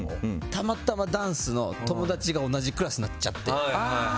たまたま、ダンスの友達が同じクラスになっちゃって。